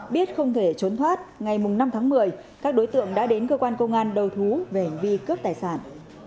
biết không thể trốn thoát ngày năm tháng một mươi các đối tượng đã đến cơ quan công an đầu thú về hành vi cướp tài sản